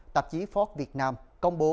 tạp chí ford việt nam công bố